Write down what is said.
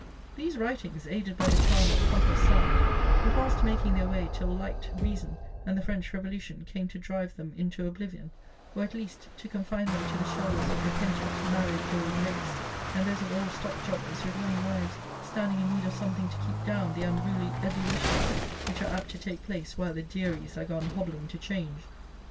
These writings, aided by the charm of pompous sound, were fast making their way, till light, reason, and the French revolution came to drive them into oblivion; or, at least, to confine them to the shelves of repentant, married old rakes, and those of old stock jobbers with young wives standing in need of something to keep down the unruly ebullitions which are apt to take place while the "dearies" are gone hobbling to 'Change.